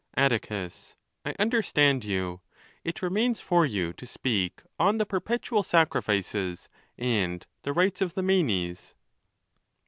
re Atticus.—I understand you ; it remains for you to speak on the perpetual sacrifices and the rights of the Manes.